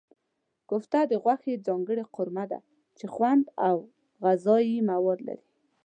کوفته د غوښې ځانګړې قورمه ده چې خوند او غذايي مواد لري.